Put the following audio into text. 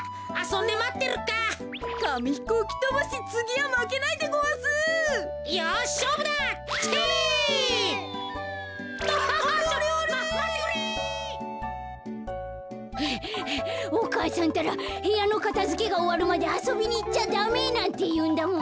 はあはあお母さんたらへやのかたづけがおわるまであそびにいっちゃダメなんていうんだもん。